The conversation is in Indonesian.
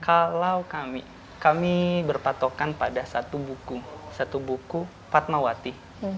kalau kami kami berpatokan pada satu buku satu buku fatmawati